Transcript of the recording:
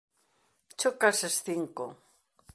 Choca eses cinco.